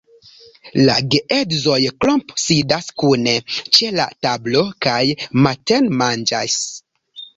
La geedzoj Klomp sidas kune ĉe la tablo kaj matenmanĝas.